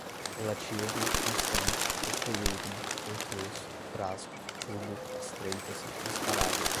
relativo, constante, expelirem, percurso, frasco, tubo, estreita-se, disparado